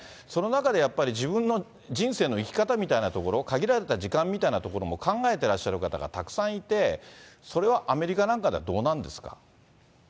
その中でやっぱり、自分の人生の生き方みたいなところ、限られた時間みたいなところも考えてらっしゃる方がたくさんいて、それはアメリカなんかではどうなんですか？